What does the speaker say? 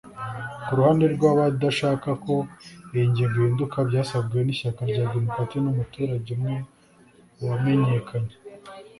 Ku ruhande rw’abadashaka ko iyi ngingo ihinduka byasabwe n’ishyaka rya Green Party n’umuturage umwe wamenyekanye